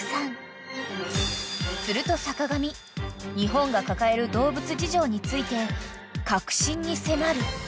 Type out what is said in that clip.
［すると坂上日本が抱える動物事情について核心に迫る］